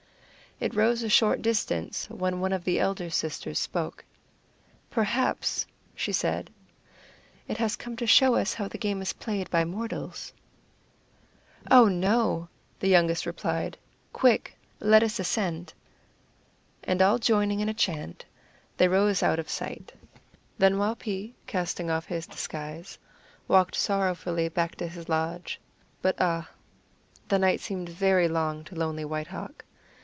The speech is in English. It rose a short distance when one of the elder sisters spoke: "Perhaps," she said, "it has come to show us how the game is played by mortals." "Oh, no," the youngest replied; "quick, let us ascend." And all joining in a chant, they rose out of sight. Then Waupee, casting off his disguise, walked sorrowfully back to his lodge but ah, the night seemed very long to lonely White Hawk!